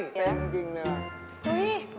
แสงจริงเลย